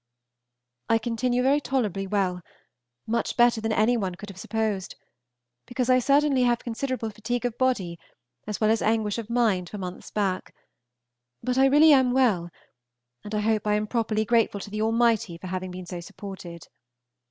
I continue very tolerably well, much better than any one could have supposed possible, because I certainly have had considerable fatigue of body as well as anguish of mind for months back; but I really am well, and I hope I am properly grateful to the Almighty for having been so supported.